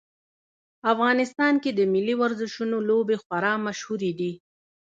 افغانستان کې د ملي ورزشونو لوبې خورا مشهورې دي